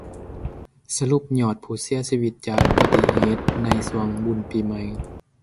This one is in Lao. ສະຫຼຸບຍອດຜູ້ເສຍຊີວິດຈາກອຸບັດຕິເຫດໃນຊ່ວງບຸນປີໃໝ່